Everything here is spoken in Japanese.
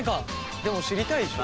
でも知りたいでしょ？